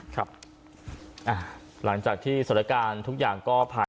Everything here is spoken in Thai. ครับอ่าหลังจากที่สรรคาทุกอย่างก็